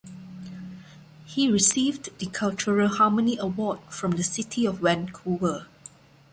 He received the Cultural Harmony Award from the City of Vancouver.